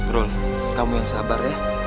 rule kamu yang sabar ya